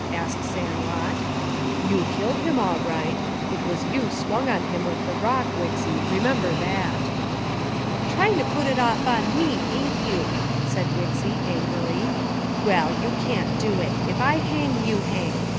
asked Sandlot. "You killed him all right. It was you swung on him with the rock, Wixy, remember that!" "Tryin' to put it off on me, ain't you!" said Wixy angrily. "Well, you can't do it. If I hang, you hang.